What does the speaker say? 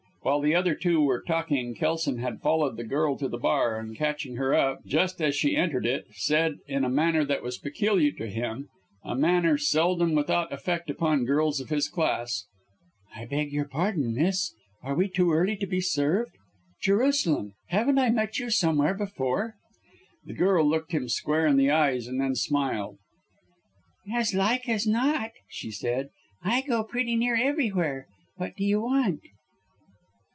While the other two were talking, Kelson had followed the girl to the bar, and catching her up, just as she entered it, said in a manner that was peculiar to him a manner seldom without effect upon girls of his class "I beg your pardon, miss, are we too early to be served? Jerusalem! Haven't I met you somewhere before?" The girl looked him square in the eyes and then smiled. "As like as not," she said. "I go pretty near everywhere! What do you want?"